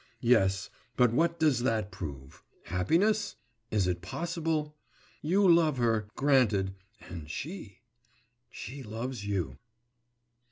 Yes; but what does that prove? Happiness?... Is it possible? You love her, granted ... and she ... she loves you....